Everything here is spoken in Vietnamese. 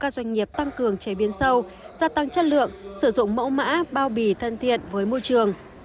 các doanh nghiệp tăng cường chế biến sâu gia tăng chất lượng sử dụng mẫu mã bao bì thân thiện với môi trường